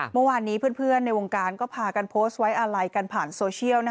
เมื่อวานนี้เพื่อนในวงการก็พากันโพสต์ไว้อาลัยกันผ่านโซเชียล